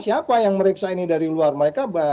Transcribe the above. siapa yang meriksa ini dari luar mereka